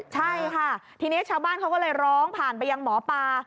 ใช่ค่ะทีนี้ชาวบ้านเขาก็เลยร้องผ่านไปยังหมอปลา